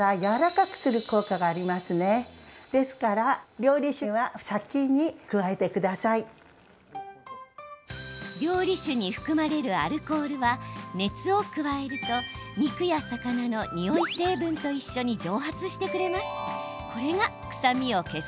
料理酒に含まれるアルコールは熱を加えると肉や魚のにおい成分と一緒に蒸発してくれます。